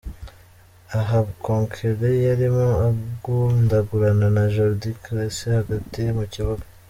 Aha Cocquelin yarimo agundagurana na Jordy Clasie hagati mu kibuga.